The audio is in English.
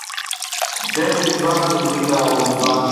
James Blackwood, leader of the Blackwoods, apologized.